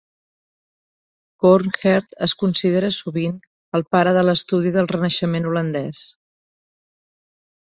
Coornhert es considera sovint el pare de l'estudi del Renaixement holandès.